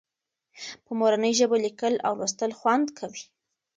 په مورنۍ ژبه لیکل او لوستل خوند کوي.